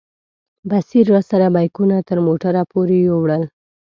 بصیر راسره بیکونه تر موټره پورې یوړل.